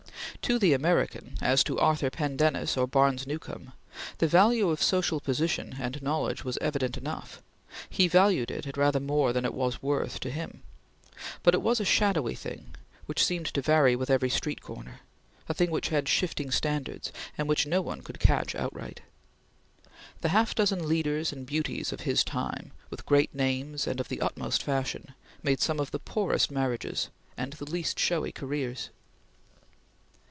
To the American, as to Arthur Pendennis or Barnes Newcome, the value of social position and knowledge was evident enough; he valued it at rather more than it was worth to him; but it was a shadowy thing which seemed to vary with every street corner; a thing which had shifting standards, and which no one could catch outright. The half dozen leaders and beauties of his time, with great names and of the utmost fashion, made some of the poorest marriages, and the least showy careers.